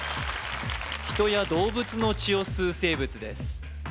人や動物の血を吸う生物です